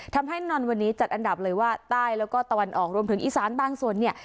นอนวันนี้จัดอันดับเลยว่าใต้แล้วก็ตะวันออกรวมถึงอีสานบางส่วนเนี่ย